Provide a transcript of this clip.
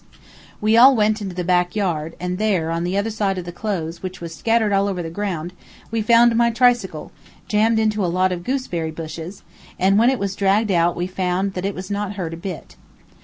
We all went into the back yard, and there, on the other side of the clothes, which was scattered all over the ground, we found my tricycle, jammed into a lot of gooseberry bushes, and when it was dragged out we found it was not hurt a bit.